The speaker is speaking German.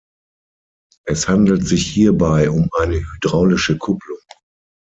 Es handelt sich hierbei um eine hydraulische Kupplung.